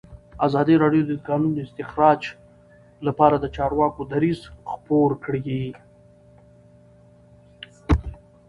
ازادي راډیو د د کانونو استخراج لپاره د چارواکو دریځ خپور کړی.